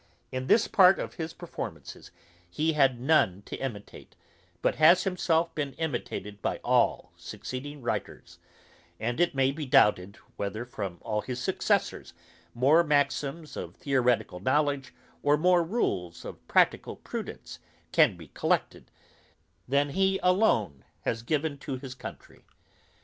In this part of his performances he had none to imitate, but has himself been imitated by all succeeding writers; and it may be doubted, whether from all his successors more maxims of theoretical knowledge, or more rules of practical prudence, can be collected, than he alone has given to his country.